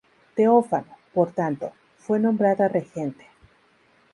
Teófano, por tanto, fue nombrada regente.